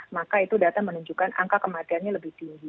maka itu data menunjukkan angka kematiannya lebih tinggi